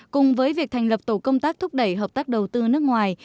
cùng với việc thành lập tổ công tác thúc đẩy hợp tác đầu tư nước ngoài